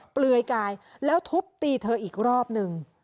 เปลือยกายแล้วทุบตีเธออีกรอบนึง